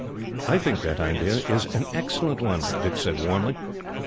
"I think that the idea is an excellent one," Dick said warmly.